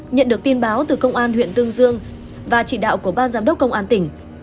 nhận được tin báo từ công an huyện tương dương và chỉ đạo của ban giám đốc công an tỉnh